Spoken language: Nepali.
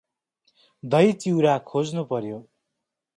दहि चिउरा खोज्नु पर्यो।